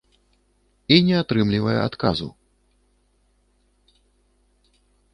І не атрымлівае адказу!